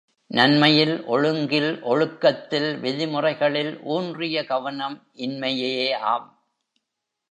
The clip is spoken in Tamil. நன்மையில், ஒழுங்கில், ஒழுக்கத்தில் விதிமுறைகளில் ஊன்றிய கவனம் இன்மையேயாம்.